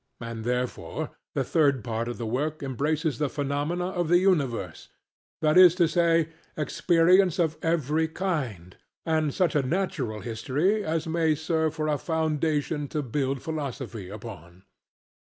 And therefore the third part of the work embraces the Phenomena of the Universe; that is to say, experience of every kind, and such a natural history as may serve for a foundation to build philosophy upon.